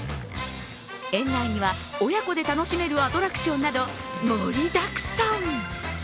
園内には、親子で楽しめるアトラクションなど盛りだくさん。